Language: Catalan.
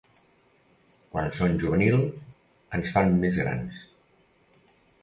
Quan són juvenils ens fan més grans.